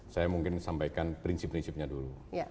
saya mungkin sampaikan prinsip prinsipnya dulu